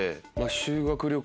修学旅行。